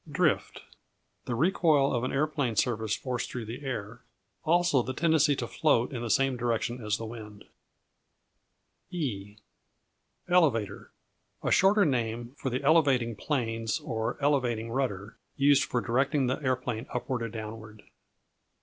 Drift The recoil of an aeroplane surface forced through the air: also the tendency to float in the same direction as the wind. E Elevator A shorter name for the elevating planes or elevating rudder, used for directing the aeroplane upward or downward.